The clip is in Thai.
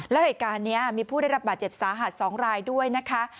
แล้วเหตุการณ์นี้มีผู้ได้รับบาดเจ็บสาหัส๒รายด้วยนะคะ